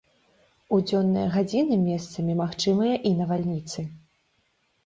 У дзённыя гадзіны месцамі магчымыя і навальніцы.